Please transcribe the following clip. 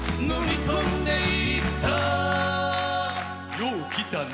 よう来たな。